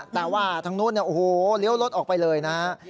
แต่ว่าทางนู้นเนี่ยโอ้โหเลี้ยวรถออกไปเลยนะฮะ